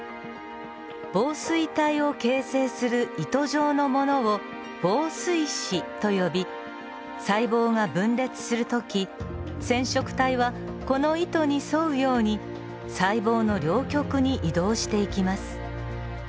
紡錘体を形成する糸状のものを紡錘糸と呼び細胞が分裂する時染色体はこの糸に沿うように細胞の両極に移動していきます。